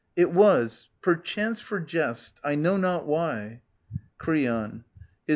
It was — perchance for jest. I know not why. Creon. .